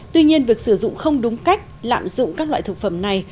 tuy nhiên việc sử dụng không đúng cách lạm dụng các loại thực phẩm này